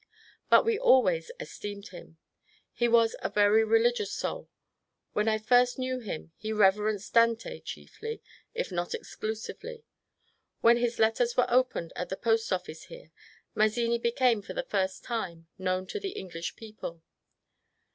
But we always esteemed him. He was a very religious soul. When I first knew him he reverenced Dante chiefly, if not exclusively. When his letters were opened at the post office here, Mazzini became, for the first time, known to the English people.